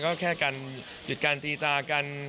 ก็แค่การหยุดการตีตากัน